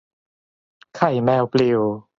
ไข่แมวปลิว